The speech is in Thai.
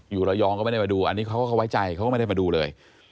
อยู่ระยองก็ไม่ได้มาดูอันนี้เขาก็ไว้ใจเขาก็ไม่ได้มาดูเลย